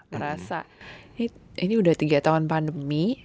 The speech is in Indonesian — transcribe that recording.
merasa ini udah tiga tahun pandemi